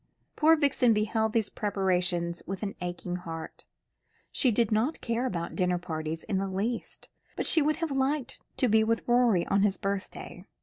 Poor Vixen beheld these preparations with an aching heart. She did not care about dinner parties in the least, but she would have liked to be with Roderick on his birthday.